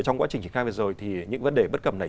trong quá trình trình khai vật rồi thì những vấn đề bất cập này